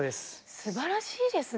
すばらしいですね。